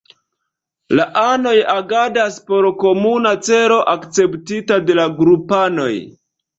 La anoj agadas por komuna celo, akceptita de la grupanoj.